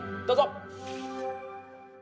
どうぞ！